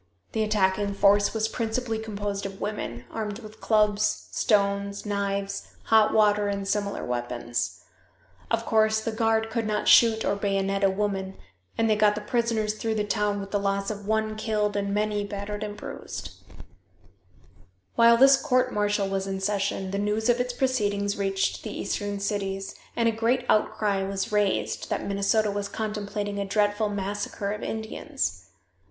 The attacking force was principally composed of women, armed with clubs, stones, knives, hot water and similar weapons. Of course, the guard could not shoot or bayonet a woman, and they got the prisoners through the town with the loss of one killed and many battered and bruised. While this court martial was in session the news of its proceedings reached the eastern cities, and a great outcry was raised, that Minnesota was contemplating a dreadful massacre of Indians.